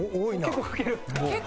結構かける。